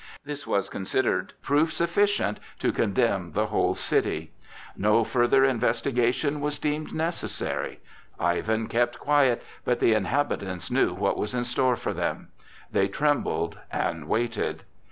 This was considered proof sufficient to condemn the whole city. No further investigation was deemed necessary. Ivan kept quiet, but the inhabitants knew what was in store for them. They trembled and waited.